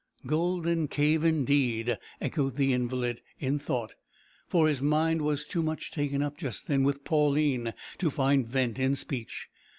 "Golden cave, indeed," echoed the invalid, in thought, for his mind was too much taken up just then with Pauline to find vent in speech.